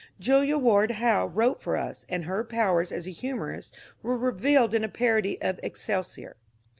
Julia Ward Howe wrote for us, and her powers as a humourist were revealed in a parody of ^^ Excelsior."